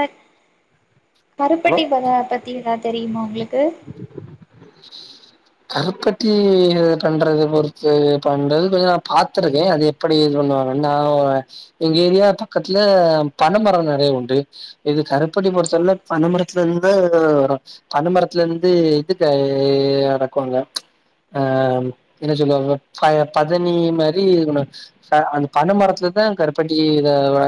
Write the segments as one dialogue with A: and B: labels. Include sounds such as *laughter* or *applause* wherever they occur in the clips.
A: அ
B: hello
A: கருப்பட்டி ப பத்தி ஏதாது தெரிமா உங்ளுக்கு
B: *inaudible* கருப்பட்டி பண்றது பொறுத்து பண்றது கொஞ்ச நா பாத்திருக்கே அது எப்படி பண்ணுவாங்க இந்தாலு எங்க ஏரியா பக்கத்ல பனமர நெறைய உண்டு இது கருப்படி பொறுத்தல பனமரத்துலந்து பனமரத்துலந்து இது டேய் அடக்கவங்க அ என்ன சொல்லுவாங்க ப பதனி மாரி இருக்கனு அந்த பனமரத்துல தா கருப்பட்டில வா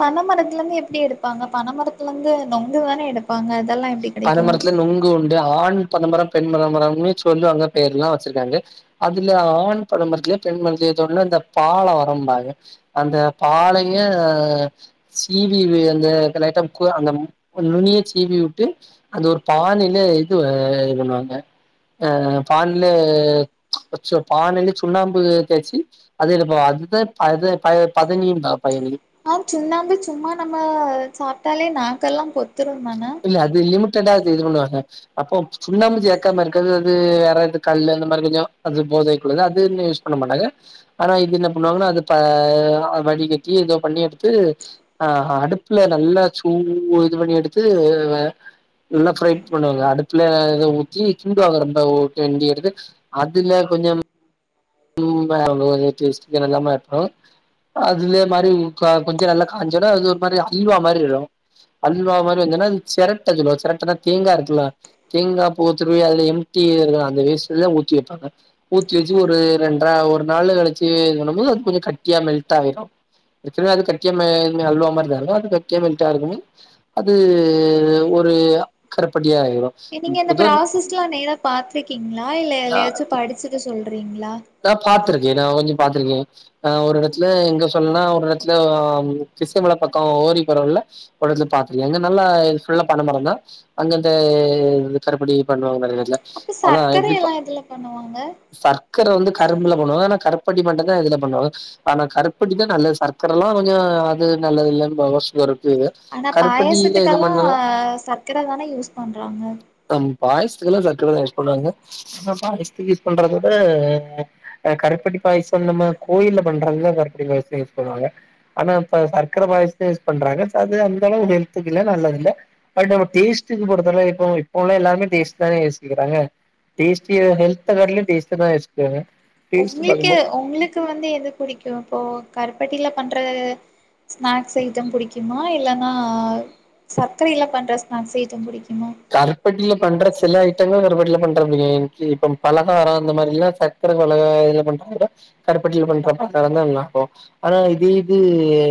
A: பன மரத்துலந்து எப்டி எடுப்பாங்க பனமரத்துலந்து நொங்குதானே எடுப்
B: பனமரத்துல நொங்கு உண்டு ஆண் பனபரம் பெண் பனபரம்னு சொல்லுவாங்க பேர்லா வச்சிருக்காங்க அதுல ஆண் பனம்பரத்லியா பெண் பன்த்லியா எத்தோன்ன இந்த பால வரம்பாங்க அந்த பாளைய சீவி அந்த க லைட்டா குவ அந்த ம் நுனிய ச்சீவி வு ட்டு அந்த ஒரு பானைல இது அ பண்ணுவாங்க அ பான்லே அச்சோ பானில சுண்ணாம்பு தேய்ச்சி அது இது ப அதுதா அது ப பதனிப பைனிகு
A: ஆம் சுண்ணாம்பு சும்மா நம்ம சாப்ட்டாலே நாக்கெல்லாம் பொத்
B: இல்ல அது லிமிட்டடா அது இது பண்ணுவாங்க அப்போம் சுண்ணாம்பு சேக்காம இருக்கறது அது வேறது கல்லு அந்த மாரி கொஞ்ச அது போதைக்குள்ளது அது இன்னு யூஸ் பண்ண மாட்டாங்க ஆனா இது என்ன பண்ணுவாங்கன்னா அது பா வடிகட்டி ஏதோ பண்ணி எடுத்து ஆ அடுப்புல நல்லா சூ இது பண்ணி எடுத்து நல்லா ஃப்ரைட் பண்ணுவாங்க அடுப்புல இத ஊத்தி கிண்டுவாங்க ரொம்பஓ கிண்டி எடுத்து அதுல கொஞ்சம் ம் வேற வஊத்தி வச்ட்டு இதெல்லாமே ஆட் பண்ணுவாங்க அதுவே மாறி கா கொஞ்ஜ நல்லா காஞ்சோனே அது ஒரு மாறி அல்வா மாறி வரு அல்வா மாறி வந்தோன அத செரட்ட சொல்வாக செரட்டனா தேங்கா இருக்குல தேங்கா பூத்துருவி அதுல எம் டி அந்த வேஸ்ல ஊத்தி வெப்பாங்க ஊத்தி ஒரு ரெண்ட்ற ஒரு நாள் கழிச்சி பண்ணும்போது அது கொஞ்ச கட்டியா மெல்டாயிடும் ஏற்கனவே அது கட்டியா மே அல்வாமாறி தானே அது கட்டியா மெல்ட்டா இருக்குன்னு அது ஒ ஃபீரீயா
A: நீங்க இந்த ப்ராசஸ்லா நேரா பாத்துருக்கீங்ளா இல்ல
B: நா
A: எத்லயாச்சு படிச்சுட்டு சொ
B: நா பாத்துருக்கே நான் கொஞ்ச பாத்துருக்கேன் ஆ ஒரு எடத்துல எங்க சொல்ன்னா ஒரு எடத்துல கிஷ்ணமல பக்க ஓரி போரவழில வந்து பாத்துருக்க அங்க நல்லா ஃபுல்லா பனமரம் தான் அங்க இந்த கருப்பட்டி பண்ணுவாங்க பாருங்க
A: அப்ப
B: அதான்
A: சர்க்கரை
B: எப்டிப்ப
A: எல்லா எதுல பண்ணுவாங்க
B: சர்க்கர வந்து கரும்புல பண்ணுவா ஆனா கருப்பட்டி மட்டுந் தா இதுல பண்ணுவாங்க ஆனா கருப்படி தா நல்லது சர்க்கரலா கொஞ்ச அது நல்லது இல்லன்னு *unintelligible*
A: ஆனா பாயசத்துக்கெல்லா சர்க்கரதான யூஸ் பண்றாங்க
B: பாயசத்துக்குலா சக்கரதா யூஸ் பண்ணுவாங்க பாயசத்துக்கு யூஸ் பண்றத விட கருப்படி பாயசம் நம்ம கோயில்ல பண்றாங்கள கருப்படி பாயச பண்ணுவாங்க ஆனா இப்ப சர்க்கர பாயசத்த யூஸ் பண்றாங்க அது அந்த அளவுக்கு ஹெல்த்துக்கு இல்ல நல்லது இல்ல பட் நம்ம டேஸ்டுகு பொறுத்தவற இப்ப இப்பவுள்ள எல்லாருமே டேஸ்ட் தான யோசிக்கிறாங்க டேஸ்டி எ ஹெல்த்த காட்டிலு டேஸ்ட தான் யோ
A: உங்ளுக்கு உங்ளுக்கு வந்து எது புடிக்கூ இப்போ கருப்பட் டில பண்ற ஸ்நாக்ஸ் ஐட்டம் புடிக்குமா இல்லன்னா சர்க்கரைல பண்ற ஸ்நாக்ஸ் ஐட்டம் புடிக்கு
B: கருப்பட்டில பண்ற சில ஐட்டங்கள் கருப்பட்டில பண் *unintelligible* க்கி இப்ப பலகார இந்த மாறிலா சர்க்கர பலகா இதுல பண்றத விட கருப்பட்டில பண்றப்ப *unintelligible* அப்போ ஆனா இது இது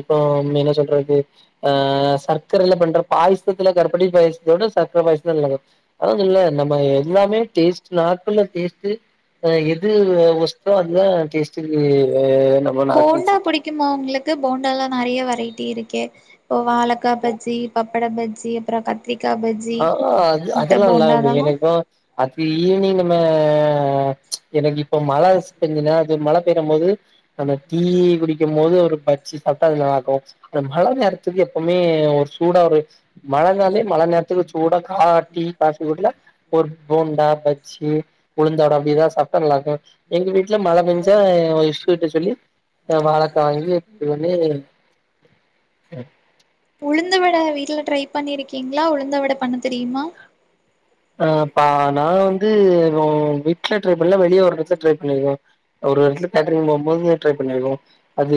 B: இப்போ என்ன சொல்றது ஆ சர்க் சர்க்கரைல பண்ற பாயசத்துகுல கருப்பட்டி பாயசத்தோட சக்கர பாயசுதான் நல்லாருக்கும் அதான் சொல்றேன்ல நம்ம எ எல்லாமே டேஸ்டு நாக்குள டேஸ்டு ஆ எது ஒஸ்ட்டோ அதுதா டேஸ்ட்டுக்கு நம்ப நாக்குல
A: போண்டா
B: செட்
A: உங்களுக்கு போண்டாலா ரைட்டி இருக்கே இப்ப வாழக்கா பஜ்ஜி பப்பட பஜ்ஜி அப்புறோ கத்தரி
B: ஆஆ அது அதெல்லா இல்லாம எப்டிங
A: அதெல்லா
B: என்னைய பா அப்டி ஈவினிங் நம்ம எனக்கு இப்போ மழ கொஞ்ச நேர மழ பெய்ரம் போது அந்த டீ குடிக்கும் போது ஒரு பஜ்ஜி சாப்ட்டா அது நல்லார்க்கூ அந்த மழ நேர துக்கு எப்பவ்மே ஒரு சூடா ஒரு மழந்நாலே மழ நேரத்துக்கு சூடா கா டீ காபி குடிக்லா ஒரு போண்டா பஜ்ஜி உளுந்தவட அப்டி எதாவ்து சாப்ட்டா நல்லார்கூ எங்க வீட்ல மழ பெஞ்சா ஏ ஒய்ஃப் கிட்ட சொல்லி வாழக்கா வாங்கி இது பண்ணி ம்
A: உளுந்த வட வீட்ல ட்ரை பண்ணிருக்கீங்ளா உளுந்த வட பண்ண தெரியுமா
B: ஆ ப்பா நா வந்து நா விட்ல ட்ரை பண்ணல வெளிய ஒரு எடத்துல ட்ரை பண்ணிருக்கே ஒரு எடத்துல கேட்ரிங் போம்போது ட்ரை பண்ணிருக்கோ அது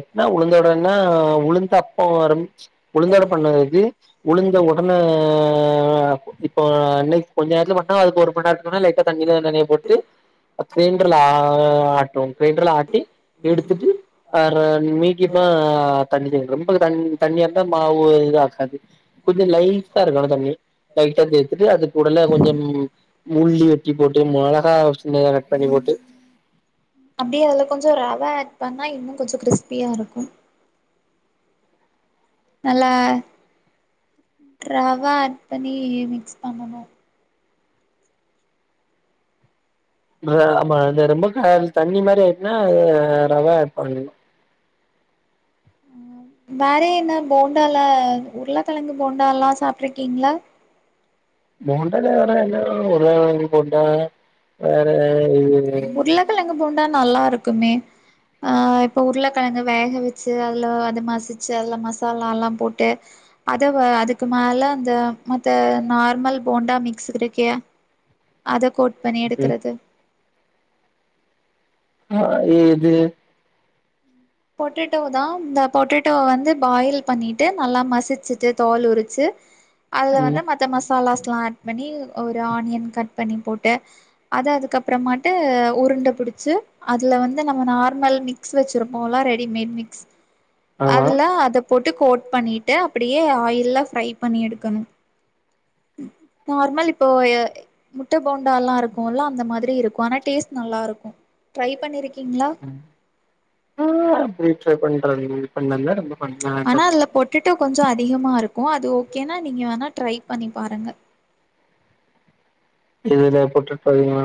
B: எப்னா உளுந்த வடனா உளுந்தப்போ போ ஆரமிச்சு உளுந்த வட பண்றதுக்கு உளுந்த ஒடனே இப்போ அன்னக்கு கொஞ்சேரத்துல பன்னா அதுக்கு ஒருமண்நேரத்துலனா லைட்டா தண்ணியில நனயப் போட்டு கிரைண்டர்ல ஆ ஆட்டும் கிரைண்டர்ல ஆட்டி எடுத்துட்டு அ நீக்கிப்பா தண்ணி சேக்கனு ரொம்ப தண்ணியா இருந்தா மாவு இதாகாது கொஞ்ச லைட்டா இருக்கனு தண்ணி லைட்டா தெ ட்டு அதுக்கூடல கொஞ்ச மூல்லி வெட்டி போட்டு மொளகா சின்னத கட் பண்ணி போட்டு
A: அப்டியே அதுல கொஞ்ச ரவ ஆட் பண்ணா இன்னு கொஞ்ச கிறிஸ்பியா இருக்கு நல்லா ரவ ஆட் பண்ணி மிக்ஸ் பண்ணணு
B: மா ஆமா அது ரொம்ப க த தண்ணி மாரி ஆயிட்னா அ ரவா ஆட் பண்ணணு
A: ம் வேற என்ன போண்டால உருளக்கழங்கு போண்டாலல்லா சாப்ட்ருக்கீங்களா
B: போண்டால்ல வேற என்ன உரு போன்டா வேற இது
A: உருளக்கெழங்கு போண்டா நல்லாருக்குமே அ இப்ப உருளக்கெழங்கு வேக வச்சு அதுல அது மசிச்சு அதுல மசாலால்லா போட்டு அத அதுக்கு மேல இந்த மத்த நார்மல் போண்டா மிக்ஸ் இருக்கே அத கோட் பன்னி
B: ம்
A: எடுக்குறது
B: ஆ எது
A: பொட்டேட்டோ தா இந்த பொட்டேட்டோ வந்து பாயில் பண்ணிட்டு நல்லா மசிச்சுட்டு தோல் உரிச்சு அதுல வந்து
B: ம்
A: மத்த மசாலாஸ்லா ஆட் பண்ணி ஒரு ஆனியன் கட் பண்ணி போட்டு அத அதுக்கப்புறமாட்டு உருண்ட புடிச்சு அது வந்து நம்ம நார்மல் மிக்ஸ் வச்சுருப் போல ரெடிமேட் மிக்ஸ்
B: ஆமா
A: அதுல அத போட்டு கோட் பண்ணிட்டு அப்படியே ஆயில்ல ஃரை பண்ணி எடுக்கணு நார்மல் இப்போ எ முட்ட போண்டால்லா இருக்குல்ல அந்த மாதிரி இருக்கு ஆனா டேஸ்ட் நல் லாருக்கு ட்ரை பண்ணிருக்கி
B: ம் ஆ வீட்ல பண்ற இது பண்ணல பண்ண
A: ஆனா
B: தெர்ல
A: அதுல பொட்டடோ கொஞ்ச அதிகமா இருக் க்கு அது ஓகேனா நீங்க வேணா ட்ரை பண்ணி பாருங்க
B: எதுல பொட்டடோலயா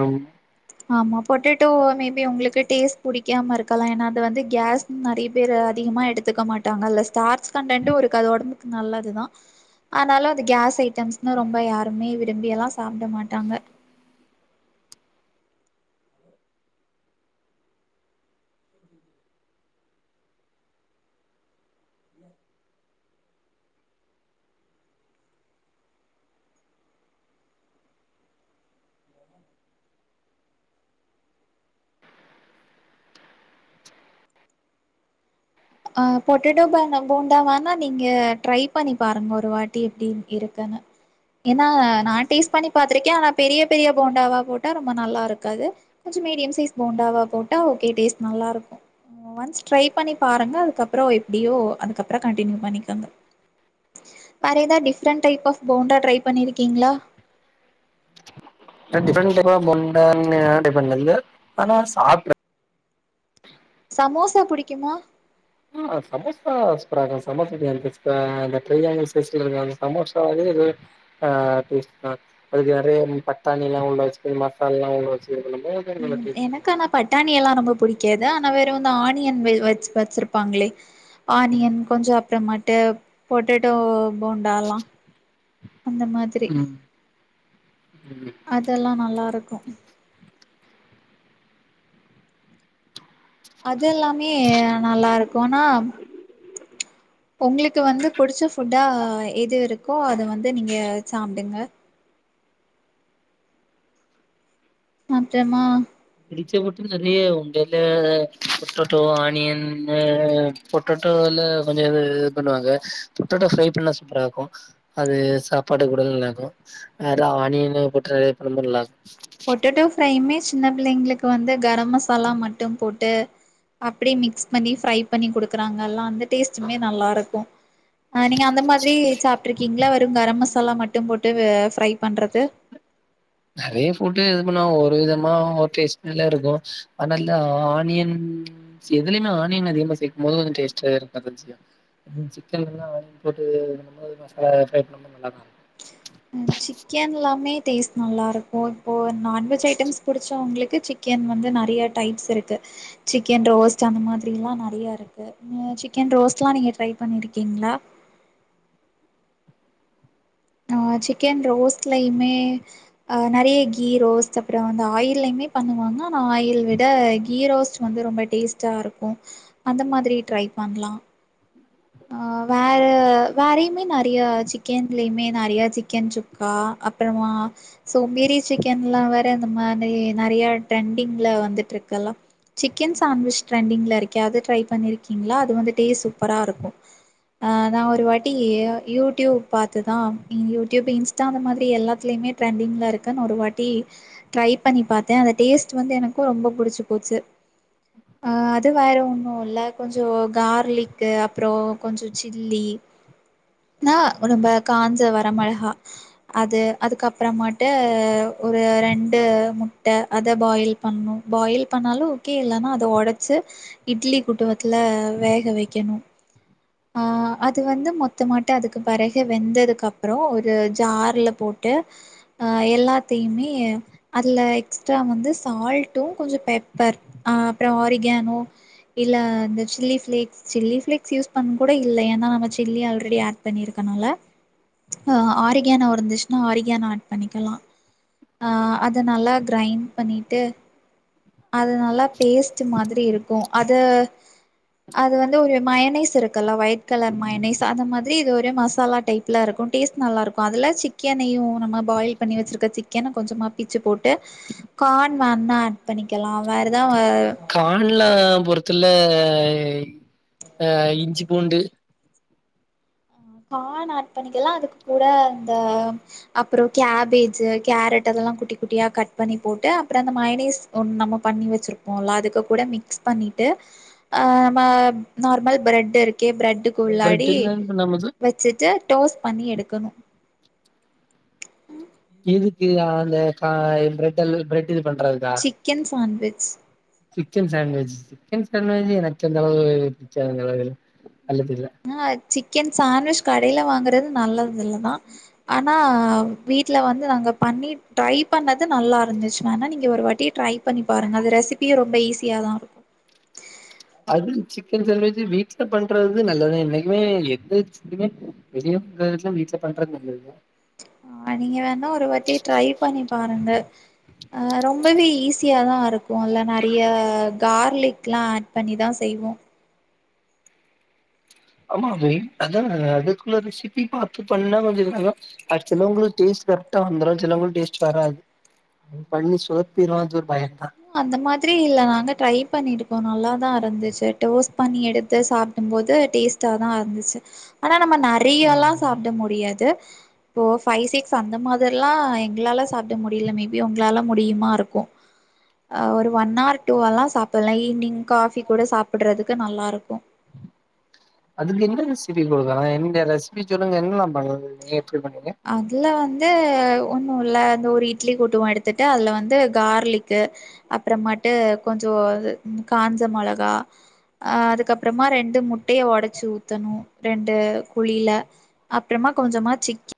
A: ஆமா பொட்டேட்டோ மேபி உங்களுக்கு டேஸ்ட் புடிக்காம இருக்கலா ஏன்னா அது வந்து கேஸ் நெறைய பேரு அதிகமா எடுத்துக்க மாட்டாங்கல்ல ஸ்டார்ச் கன்டன்டு இருக்கு அது ஒடம்புக்கு நல்லதுதா ஆனாலு அது கேஸ் ஐ ட்டம்ஸ்ன்னா ரொம்ப யாருமே விரும்பியெல்லா சாப்ட மாட்டாங்க அ பொட்டேட்டோ பா போண்டாவானா நீங்க ட்ரை பண்ணி பாருங்க ஒரு வாட்டி எப்டி இருக்குன்னு ஏன்னா நா டேஸ்ட் பண்ணி பாத்திருக்கே ஆனா பெரிய பெரிய போண்டாவா போட்டா ரொம்ப நல்லாருக்காது மீடியம் சைஸ் போண்டாவா போட்ட ஓகே டேஸ்ட் நல்லாருக்கு ஒன்ஸ் ட்ரை பண்ணி பாருங்க அதுக்கப்புற எப்டியோ அதுக்கப்புற கண்டினியூ பண்ணிக்கோங்க வேற எதா different type of bonda try பண்ணிருக்கீங்களா
B: நா ட்ப்ரெண்ட் டைப் ஆப் போண்டால்லா ட்ரை பண்ணது இல்ல ஆனா சாப்ட்டுருக்கே
A: சமோசா புடிக்குமா
B: ஆ சமோசா *unintelligible* இரு ஆ *unintelligible* சமோசாவே ஆ *unintelligible* அதுக்கு நெறைய பட்டாணில்லா உள்ள வச்சு மசாலல்லா உள்ள வச்சு இது பண்ணும்போது அது நல்லா
A: ம்
B: டேஸ்ட்
A: எனக்கு
B: நல்லா
A: ஆனா பட்டாணியெல்லா ரொம்ப பிடிக்காது ஆனா வெறு இந்த ஆனி ஆனியன் வெ வெஜ் வச்சிருப்பாங்களே
B: இருக்கு ம்
A: ஆனியன் கொஞ்ச அப்புறமாட்டு பொட்டேட்டோ போன்டால்லா அந்த மாதிரி
B: ம்
A: அதெல்லா நல்லாருக்கு அது எல்லாமே நல்லாருக்கு ஆனா உங்களுக்கு வந்து புடிச்ச ஃபுட்டா எது இருக்கோ அத வந்து நீங்க சாப்டுங்க அப்றமா
B: இடிச்சபட்டி நெறைய உண்டையில பொட்டோட்டோ ஆனியன் இந்த பொட்டோட்டோ ல கொஞ்ச இது பண்ணுவாங்க பொட்டோட்டோ ப்ரை பண்ணா சூப்பரா‌ இருக்கு அது சாப்பாடு கூடல்ல அப்றோ‌ அணியன்னு போற்று ரொம்ப நல்லார்கு
A: பொட்டேட்டோ ஃப்ரையுமே சின்ன பிள்ளைங்களுக்கு வந்து கரம் மசாலா மட்டும் போட்டு அப்டியே மிக்ஸ் பண்ணி ஃப்ரை பண்ணி குடுக்குறாங்கல்லா அந்த டேஸ்டுமே நல்லாருக்கு ஆ நீங்க அந்த மாதிரி சாப்ட்ருக்கிங்ளா வெறு கரம் மசாலா மட்டு போட்டு ஃப்ரை பண்றது
B: நறைய ஃபுட்டு இது பண்ணுவாங் ஒரு விதமா ஒரு டேஸ்ட் மேல இருக்கு அதனால ஆனியன் எதுலயுமே ஆனியன் அதிகமா சேக்கும் போது கொஞ்ச டேஸ்ட்டு அது ருசியா சிக்கன் எல்லா ஆயில் போட்டு இந்த மாரி மசாலா ட்ரை பண்ணும்போது நல்லாதா இரு
A: ம் சிக்கன்லாமே டேஸ்ட் நல்லாருக்கு இப்போ நான்வெஜ் ஐட்டம்ஸ் புடிச்சவங்ளுக்கு சிக்கன் வந்து நறைய டைப்ஸ் இருக்கு சிக்கன் ரோஸ்ட் அந்த மாதிரிலா நறையா இருக்கு சிக்கன் ரோஸ்ட்லா நீங்க நீங்க ட்ரை பண்ணிருக்கிங்ளா ஆ சிக்கன் ரோஸ்ட்லைமே அ நறைய கீ ரோஸ்ட் அப்பற அந்த ஆயில்லமே பண்ணுவாங்க என்னனா ஆயில் விட கீ ரோஸ்ட் வந்து ரொம்ப டேஸ்ட்டா இருக்கு அந்த மாதிரி ட்ரை பண்லா ஆ வேற வேறயுமே நறையா சிக்கன்லயுமே நறையி சிக்கன் சுக்கா அப்பறமா ஆ சோம்பேறி சிக்கன்லா வேற இந்த மாரி நறையா ட்ரெண்டிங்ல வந்துட்ருக்கெலா சிக்கன் சாண்ட்விச் ட்ரெண்டிங்ல இருக்கே அத ட்ரை பண்ணிருக்கிங்ளா அது வந்து டேஸ்ட் சூப்பரா இருக்கு நா ஒரு வாட்டி யூட்யூப் பாத்துதா யூடியூப் இன்ஸ்டா அந்த மாதிரி எல்லாத்துலயுமே ட்ரன்டிங்ல இருக்குனு ஒரு வாட்டி ட்ரை பண்ணி பாத்த அந்த டேஸ்ட் வந்து எனக்கு ரொம்ப பிடிச்சு போச்சு அ அது வேற ஒண்ணு இல்ல கொஞ்ச கார்லிக்கு அப் றோ கொஞ்சோ சில்லி னா ரொம்ப காஞ்ச வர மெளகா அது அதுக்கப்றமாட்டு ஒரு ரெண்டு முட்ட அத பாயில் பண்ணு பாயில் பண்ணாலு ஓகே இல்லனா அத ஒடச்சு இட்லி குட்டுவத்துல வேக வெக்கணு ஆ ஆ அது வந்து மொத்தமாட்ட அதுக்கு பெறகு வெந்ததுக்கப்றோ ஒரு ஜார்ல போட்டு அ எல்லாத்தையுமே அதுல எக்ஸ்ட்ரா வந்து சால்ட்டு கொஞ்ச பெப்பர் ஆ அப்ற ஆரிகேனோ இல்ல அந்த chilli flakes chilli flakes use பண் கூட இல்ல ஏனா நம்ம சில்லி ஆல்ரெடி ஆட் பண்ணிருக்கனால ஆ ஆரிகேனோ இருந்துச்னா ஆரிகேனோ ஆட் பண்ணிக்கலா அ அது நல்லா கிரைண்ட் பண்ணிட்டு அது நல்லா பேஸ்ட் மாதிரி இருக்கு அத அது வந்து ஒரு மயனைஸ் இருக்குல ஒயிட் கலர் மயனைஸ் அந்த மாதிரி இது ஒரு மசாலா டைப்ல இருக்கு டேஸ்ட் நல்லாருக்கு அதுல சிக்கனையு நம்ம பாயில் பண்ணி வச்சிருக்க சிக்கன கொஞ்சமா பிச்சு போட்டு கான் வேன்னா ஆட் பண்ணிக்கலா வேறெதாவு
B: கான்ல பொறத்துல அ இஞ்சி பூண்டு
A: கான் ஆட் பண்ணிக்கலா அதுக்கு கூட அந்த அப்பற கேபேஜு கேரட் அதெல் லா குட்டி குட்டியா கட் பண்ணி போட்டு அப்பற அந்த மயனைஸ் ஒண் நம்ம பண்ணி வச்சிருப்போல அதுக்கு கூட மிக்ஸ் பண் ணிட்டு அ ம நார்மல் பிரெட் இருக்கே பிரெட்
B: பிரட்டில நம்
A: வச்சுட்டு டோஸ்ட்‌ பண்ணி எடுக்கணு ம்
B: இதுக்கு அ அந்த கா பிரெட்ல் பிரெட் இது பண்றதுக்கா
A: chicken sandwich
B: chicken sandwich chicken sandwich எனக்கு அந்தளவு பிடிக்காது அந்தளவு
A: ஆ சிக்கன் சாண்ட்விச் கடைல வாங்கறது நல்லது இல்லதா ஆனா வீட்ல வந்து நாங்க பண்ணி ட்ரை பண்ணது நல்லா இருந்துச்சு வேனா நீங்க ஒரு வாட்டி ட்ரை பண்ணி பாருங்க அது ரெசிபியு ரொம்ப ஈஸியா தா இருக்கு *inaudible*
B: அது சிக்கன் சாண்ட்விச் வீட்ல பண்றது நல்லதா என்னைக்குமே எந்த இதுமே அந்த விதத்துல வீட்ல பண்றது நல்லதுதா
A: ஆ நீங்க வேணா ஒருவட்டி ட்ரை பண்ணி பாருங்க அ ரொம்பவே ஈஸியாதா இருக்கு இல்ல நறைய கார்லிக் எல்லா ஆட் பண்ணிதா செய்வோ
B: ஆமா அ் அதான் அதுக்குள்ள ரெசிபி பார்த்து பண்ணா கொஞ்ச அடுத்தவங்கள டேஸ்ட் கரொ வந்தும் சிலவங்களும் டேஸ்ட் வராது பண்ணி சுதப்பிட அது ஒரு பய
A: அந்த மாதிரி இல்ல நாங்க ட்ரை பண்ணி இருகோ நல்ல தான் இருந்துச்சு டோ பண்ணி எடுத்து சாப்பிடும் போது டேஸ்டா தான் இருந்துச்சு ஆனா நம்ம நறையல்லா சாப்ட முடியாது இப்போ ஃபை சிக்ஸ் அந்த மாதிரி எல்லாம் எங்களால சாப்பிட முடியல மேபி உங்களால முடியுமா இருக்கும் *inaudible* ஒரு ஒன் ஹர் டூவல்லா சாப்படலா ஈவி்னிங் காஃபி கூட சாப்பிடுறதுக்கு நல்லா இருக்கும்
B: அதுக்கு என்ன ரெசிபி கொடுக்க எ ரெசிபி சொல்லுங்க என்னாம் எப்ப மன
A: ஒன்னும் இல் அந்த ஒரு இட்லி கூட்டுவோ எடுத்துட்டு அதுல வந்து கார்லிக்கு அப்புறமட்டு கொஞ்சம் காஞ்ச மொளகா அ அதுக்கப்புறமா ரெண்டு முட்டையை உடைச்சு ஊத்தணு ரெண்டு குழில அப்புறமா கொஞ்சமா சிக்கி